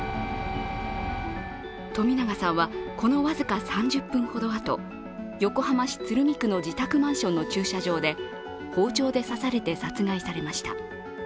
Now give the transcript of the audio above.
冨永さんはこの僅か３０分ほどあと横浜市鶴見区の自宅マンションの駐車場で、包丁で刺されて殺害されました。